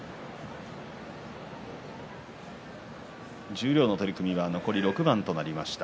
十両の取組は残り６番となりました。